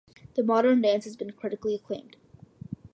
"The Modern Dance" has been critically acclaimed.